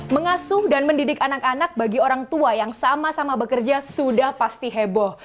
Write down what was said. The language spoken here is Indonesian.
mengasuh dan mendidik anak anak bagi orang tua yang sama sama bekerja sudah pasti heboh